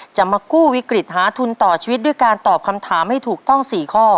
จะมากู้วิกฤตหาทุนต่อชีวิตด้วยการตอบคำถามให้ถูกต้อง๔ข้อ